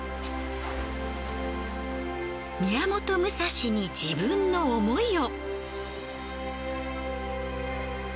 宮本武蔵に自分の思いを。